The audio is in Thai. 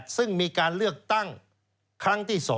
ซึ่งมีการเลือกตั้งครั้งที่๒